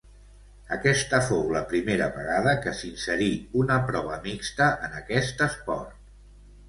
Aquesta fou la primera vegada que s'inserí una prova mixta en aquest esport.